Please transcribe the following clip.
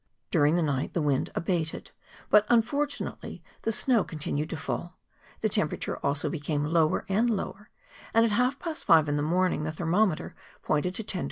During the night the wind abated, but unfortunately the snow con¬ tinued to fall, the temperature also became lower and lower, and at half past five in the morning the thermometer pointed to 10°.